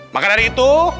maka dari itu